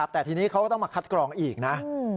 แต่ทีนี้เขาก็ต้องมาคัดกรองอีกนะ